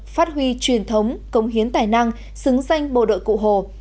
phát huy truyền thống công hiến tài năng xứng danh bộ đội cụ hồ